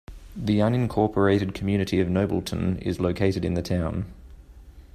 The unincorporated community of Nobleton is located in the town.